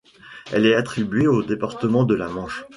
Elle est attribuée au département de la Manche.